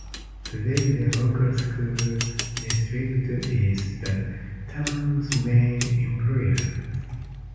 Today the local school district is the town's main employer.